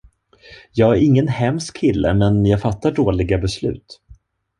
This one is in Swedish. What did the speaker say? Jag är ingen hemsk kille, men jag fattar dåliga beslut.